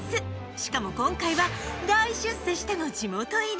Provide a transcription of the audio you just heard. しかも、今回は大出世しての地元入り。